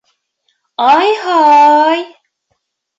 — Ай-һай!..